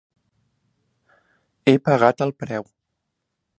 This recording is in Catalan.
He pagat el preu.